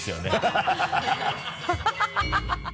ハハハ